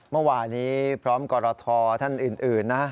เมื่อวานี้พร้อมกรทท่านอื่นนะ